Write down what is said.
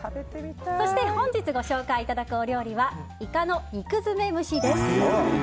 そして本日ご紹介いただくお料理は、イカの肉づめ蒸しです。